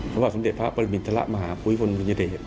พระบาทสมเด็จพระปริมิตรศระมหาปุริษฐภัณฑ์วิทยาเดต